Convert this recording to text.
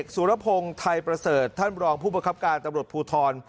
สุรพงศ์ไทยประเสริฐท่านรองผู้ประคับการตำรวจภูทร